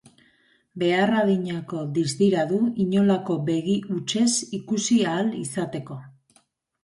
Behar adinako distira du inolako begi hutsez ikusi ahal izateko.